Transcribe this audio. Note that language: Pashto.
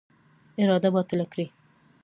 اراده باطله کړي.